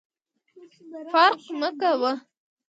فرق مه کوه !